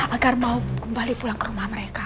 agar mau kembali pulang ke rumah mereka